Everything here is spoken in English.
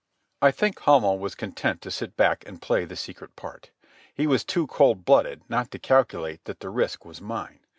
I think Hamel was content to sit back and play the secret part. He was too cold blooded not to calculate that the risk was mine.